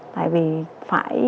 tại vì phải